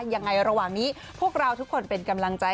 ระหว่างนี้พวกเราทุกคนเป็นกำลังใจ